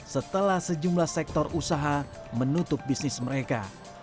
setelah sejumlah sektor usaha menutup bisnis mereka